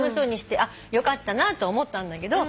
よかったなと思ったんだけど。